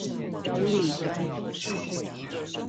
埔里端